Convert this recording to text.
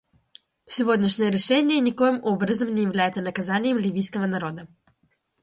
Сегодняшнее решение никоим образом не является наказанием ливийского народа.